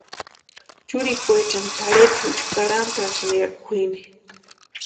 Churikwaechani tʼarhechuecha karhantasïnti ya kwʼini.